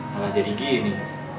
malah jadi gini